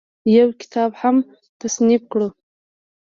يو کتاب هم تصنيف کړو